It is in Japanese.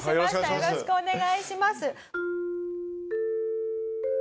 よろしくお願いします。